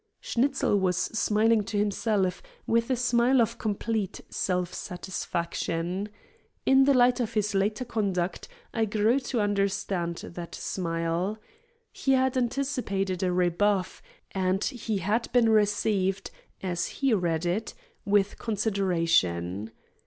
Schnitzel was smiling to himself with a smile of complete self satisfaction. In the light of his later conduct, I grew to understand that smile. He had anticipated a rebuff, and he had been received, as he read it, with consideration.